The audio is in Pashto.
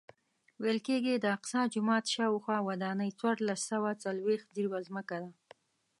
ویل کېږي د اقصی جومات شاوخوا ودانۍ څوارلس سوه څلوېښت جریبه ځمکه ده.